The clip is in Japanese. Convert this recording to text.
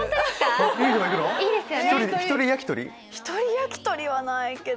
焼き鳥はないけど。